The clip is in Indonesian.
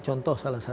contoh salah satunya